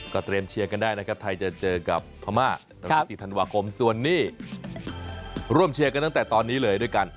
ก็เพราะเทรซีทวัคคมส่วนนี้ร่วมเชียร์กันตั้งแต่ตอนนี้เลยด้วยกัน